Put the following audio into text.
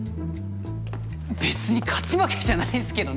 べつに勝ち負けじゃないんすけどね。